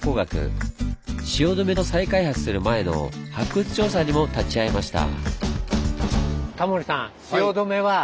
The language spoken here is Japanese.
汐留を再開発する前の発掘調査にも立ち会いました。